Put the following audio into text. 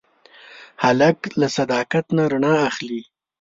هلک له صداقت نه رڼا اخلي.